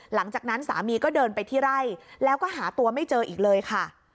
หลังจากนั้นสามีก็เดินไปที่ไร่แล้วก็หาตัวไม่เจออีกเลยค่ะ